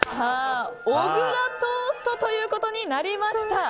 小倉トーストということになりました。